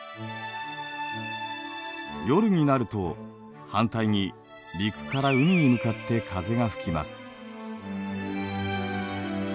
夜になると反対に陸から海に向かって風が吹きます。